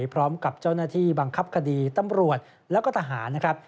พร้อมกับเจ้าหน้าที่บังคับคดีตำรวจแล้วก็ทหารนะครับ